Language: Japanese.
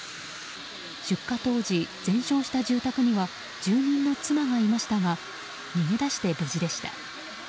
出火当時、全焼した住宅には住人の妻がいましたが逃げ出して、無事でした。